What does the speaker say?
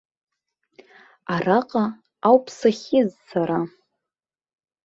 Араҟа ауп сахьиз сара.